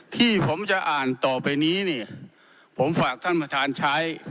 ที่ผมจะอ่านต่อไปนี้เนี่ยผมฝากท่านประธานใช้